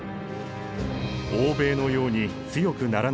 欧米のように強くならなければ。